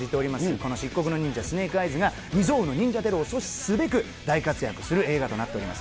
この漆黒の忍者、スネークアイズが、未曽有の忍者テロを阻止すべく大活躍する映画となっております。